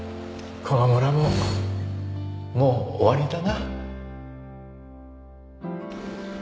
この村ももう終わりだな